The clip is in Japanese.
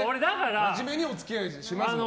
真面目にお付き合いしますもんね。